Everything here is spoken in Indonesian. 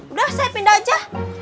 udah saya pindah aja